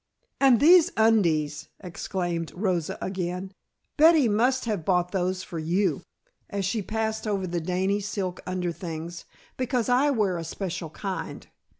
"And these undies," exclaimed Rosa again. "Betty must have bought those for you," as she passed over the dainty silk under things, "because I wear a special kind.